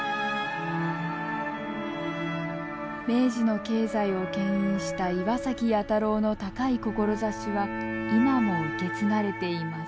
明治の経済をけん引した岩崎弥太郎の高い志は今も受け継がれています。